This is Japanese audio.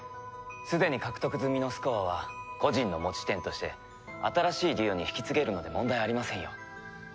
すでに獲得済みのスコアは個人の持ち点として新しいデュオに引き継げるので問題ありませんよ。